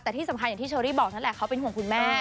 แต่ที่สำคัญอย่างที่เชอรี่บอกนั่นแหละเขาเป็นห่วงคุณแม่